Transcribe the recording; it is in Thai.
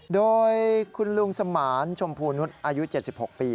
โดยคุณลุงสมานชมพูนุษย์อายุ๗๖ปี